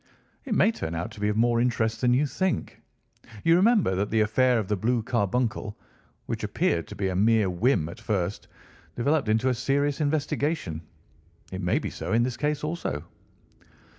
"It may turn out to be of more interest than you think. You remember that the affair of the blue carbuncle, which appeared to be a mere whim at first, developed into a serious investigation. It may be so in this case, also."